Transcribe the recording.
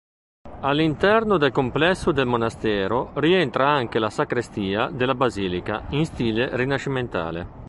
All'interno del complesso del monastero rientra anche la sacrestia della basilica, in stile rinascimentale.